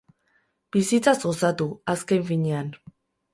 Bizitzaz gozatu, azken finean.